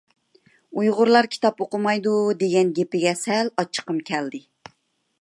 «ئۇيغۇرلار كىتاب ئوقۇمايدۇ» دېگەن گېپىگە سەل ئاچچىقىم كەلدى.